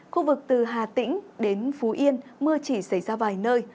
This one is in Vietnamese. khu vực từ hà tĩnh đến phú yên mưa chỉ xảy ra vài nơi